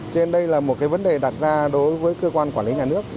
cho nên đây là một cái vấn đề đặt ra đối với cơ quan quản lý nhà nước